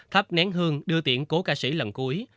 thắp nén hương đưa tiễn cố ca sĩ lần cuối